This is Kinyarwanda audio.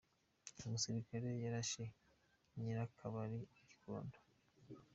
– umusilikare yarashe nyir’akabali i Gikondo